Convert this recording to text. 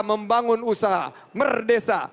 membangun usaha merdesa